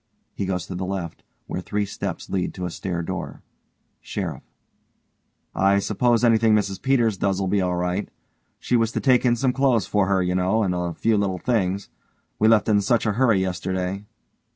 (He goes to the left, where three steps lead to a stair door.) SHERIFF: I suppose anything Mrs Peters does'll be all right. She was to take in some clothes for her, you know, and a few little things. We left in such a hurry yesterday.